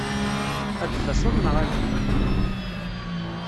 Ad d-taseḍ neɣ ala?